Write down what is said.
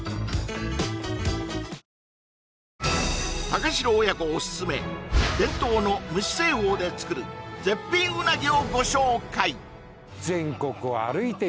高城親子おすすめ伝統の蒸し製法で作る絶品うなぎをご紹介